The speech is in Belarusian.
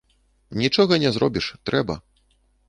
Нічога не зробіш, трэба.